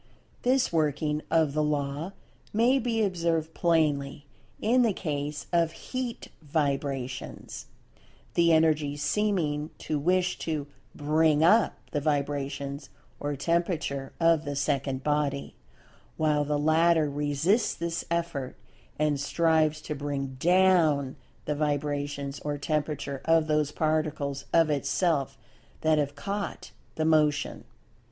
This working of the law may be observed plainly in the case of Heat vibrations—the Energy seeming to wish to "bring up" the vibrations or temperature of the second body, while the latter resists this effort, and strives to "bring down" the vibrations or temperature of those Particles of itself that have "caught the Motion."